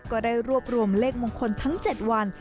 ก็ได้รวบรวมเลขมงคลทั้ง๗วัน